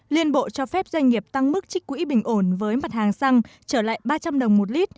liên bộ cho phép doanh nghiệp tăng mức trích quỹ bình ổn với mặt hàng xăng trở lại ba trăm linh đồng một lít